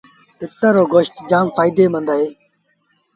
تتر رو گوست جآم ڦآئيدي مند اهي۔